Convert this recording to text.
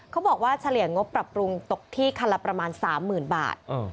เขาบอกว่าเฉลี่ยงบปรับปรุงตกที่คันละประมาณ๓๐๐๐บาท